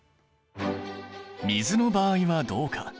水の場合はどうか？